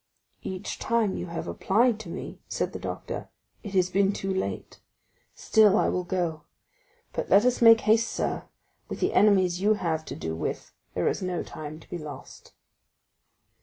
"Each time you have applied to me," said the doctor, "it has been too late; still I will go. But let us make haste, sir; with the enemies you have to do with there is no time to be lost."